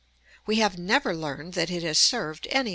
We have never learned that it has served any other purpose.